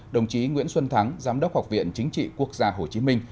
đồng chí nguyễn xuân thắng giám đốc học viện chính trị quốc gia hồ chí minh